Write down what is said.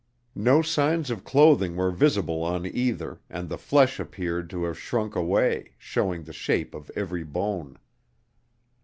No signs of clothing were visible on either, and the flesh appeared to have shrunk away, showing the shape of every bone.